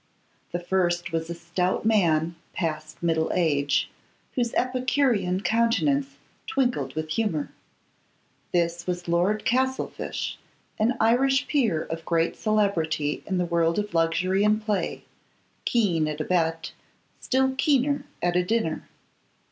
The first was a stout man, past middle age, whose epicurean countenance twinkled with humour. This was Lord Castlefyshe, an Irish peer of great celebrity in the world of luxury and play, keen at a bet, still keener at a dinner.